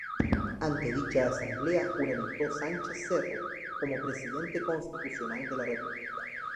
Ante dicha asamblea juramentó Sánchez Cerro como presidente constitucional de la República.